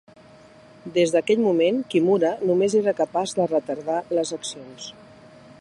Des d'aquell moment, Kimura només era capaç de retardar les accions.